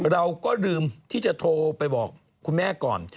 เราก็ลืมที่จะโทรไปบอกคุณแม่ก่อน